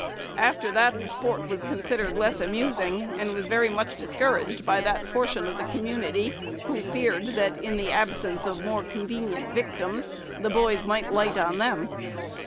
After that the sport was considered less amusing, and was very much discouraged by that portion of the community who feared, that, in the absence of more convenient victims, "the boys" might light on them.